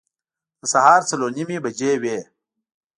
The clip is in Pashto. د سهار څلور نیمې بجې وې.